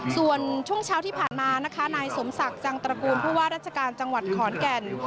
ส่วนช่วงเช้าที่ผ่านมานะคะนายสมศักดิ์จังตระกูลผู้ว่าราชการจังหวัดขอนแก่น